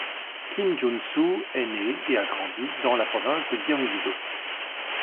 Kim Junsu est né et a grandi dans la province de Gyeonggi-do.